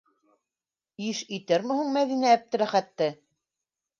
Иш итерме һуң Мәҙинә Әптеләхәтте?